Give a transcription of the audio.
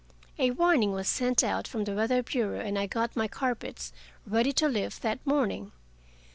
A warning was sent out from the weather bureau, and I got my carpets ready to lift that morning.